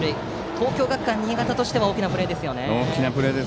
東京学館新潟としては大きなプレーでした。